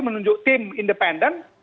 menunjuk tim independen